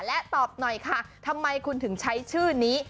และตอบหน่อยค่ะทำไมคุณถึงใช้ชื่อนี้